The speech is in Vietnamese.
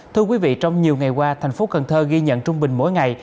thưa quý vị trong nhiều ngày qua thành phố cần thơ ghi nhận trung bình mỗi ngày